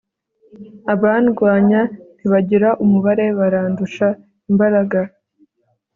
abandwanya ntibagira umubare, barandusha imbaraga